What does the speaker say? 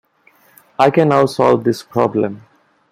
I can now solve this problem.